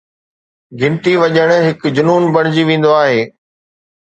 گھنٽي وڄڻ هڪ جنون بڻجي ويندو آهي